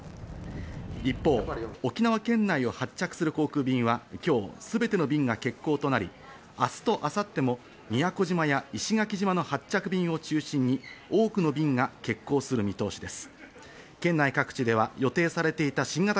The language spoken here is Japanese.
一方、沖縄県内を発着する航空便は今日、すべての便が欠航となり、明日と明後日も宮古島や石垣島の発着便を中心に多くの便が欠航する見通しです。